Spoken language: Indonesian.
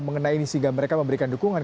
mengenai ini sehingga mereka memberikan dukungan